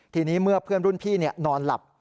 ทีนี้เมื่อเพื่อนรุ่นพี่นอนหลับ